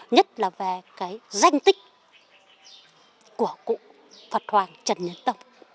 nhất là về cái danh tích của cụ phật hoàng trần nhật tông